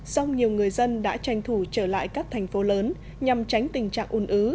song nhiều người dân đã tranh thủ trở lại các thành phố lớn nhằm tránh tình trạng un ứ